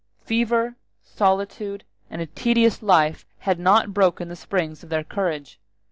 Fever, solitude, and a tedious life had not broken the springs of their courage.